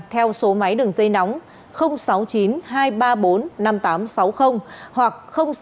theo số máy đường dây nóng sáu mươi chín hai trăm ba mươi bốn năm nghìn tám trăm sáu mươi hoặc sáu mươi chín hai trăm ba mươi bốn năm nghìn tám trăm sáu mươi